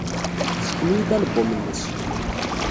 Tessken-iyi-d album-nnes.